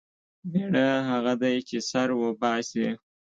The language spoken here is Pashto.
مېړه هغه دی چې سر وباسي.